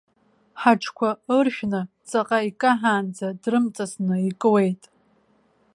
Ҳаҽқәа ыршәны, ҵаҟа икаҳаанӡа дрымҵасны икуеит.